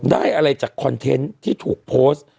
ได้อะไรจากคอนเทนต์ที่ถูกโพสต์